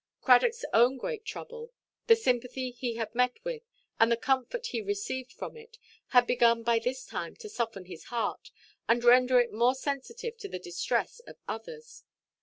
Cradockʼs own great trouble, the sympathy he had met with, and the comfort he received from it, had begun by this time to soften his heart, and render it more sensitive to the distress of others.